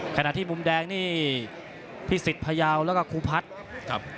ขณะที่มุมแดงนี่พิสิทธิพยาวแล้วก็ครูพัฒน์ครับ